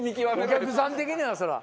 お客さん的にはそれは。